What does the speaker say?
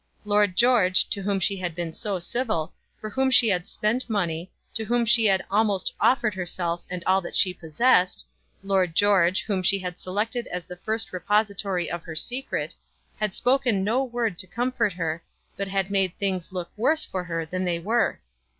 Lord George, to whom she had been so civil, for whom she had spent money, to whom she had almost offered herself and all that she possessed, Lord George, whom she had selected as the first repository of her secret, had spoken no word to comfort her, but had made things look worse for her than they were.